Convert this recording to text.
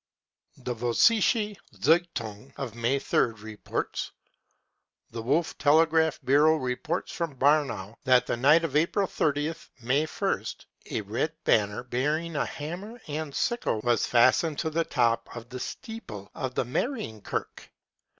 The Vossische fitting of May 3rd reports :" The Wolff Telegraph Bureau reports from Barnau that in the night of April 30th May 1st a red banner bearing the hammer and sickle was fastened to the top of the steeple of the Marienkirche.